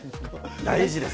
大事です。